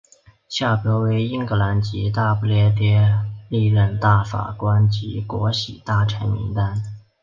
下表为英格兰及大不列颠历任大法官及国玺大臣名单。